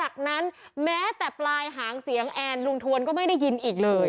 แค่แต่ปลายหางเสียงแอนลุงทวนก็ไม่ได้ยินอีกเลย